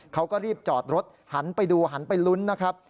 เขาก็รีบจอดรถหันไปดูหันไปลุ้นนะครับ